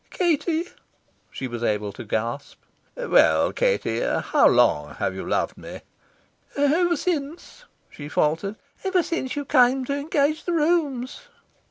"Katie," she was able to gasp. "Well, Katie, how long have you loved me?" "Ever since," she faltered, "ever since you came to engage the rooms."